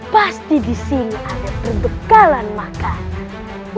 pasti disini ada perbekalan makanan